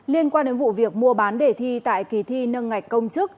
liên quan đến vụ việc mua bán để thi tại kỳ thi nâng ngạch công chức